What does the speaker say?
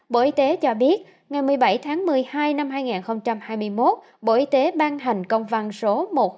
bộ y tế cho biết ngày một mươi bảy tháng một mươi hai năm hai nghìn hai mươi một bộ y tế ban hành công văn số một mươi nghìn bảy trăm hai mươi hai